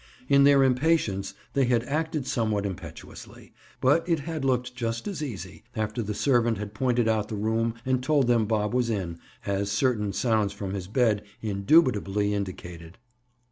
In their impatience, they had acted somewhat impetuously, but it had looked just as easy, after the servant had pointed out the room and told them Bob was in, as certain sounds from his bed indubitably indicated.